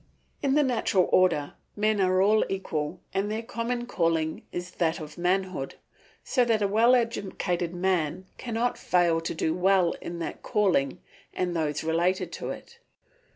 In the natural order men are all equal and their common calling is that of manhood, so that a well educated man cannot fail to do well in that calling and those related to it.